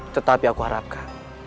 tetapi aku harapkan